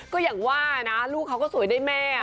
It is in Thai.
ก็อย่างว่านะลูกเขาก็สวยได้แม่